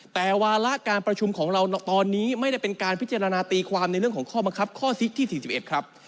แต่วาระการประชุมของเราตอนนี้ไม่ได้เป็นการพิจารณาตีความในเรื่องของข้อบังคับข้อซิกที่๔๑ครับ